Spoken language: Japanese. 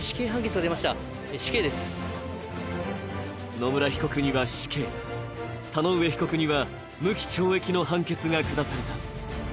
野村被告には死刑、田上被告には無期懲役の判決が下された。